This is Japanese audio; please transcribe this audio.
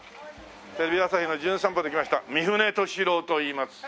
テレビ朝日の『じゅん散歩』で来ました三船敏郎といいます。